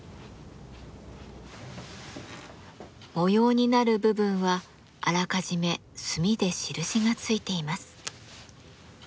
模様になる部分はあらかじめ墨で印がついています。